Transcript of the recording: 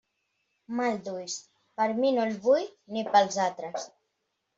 Mal d'ulls, per mi no el vull, ni pels altres.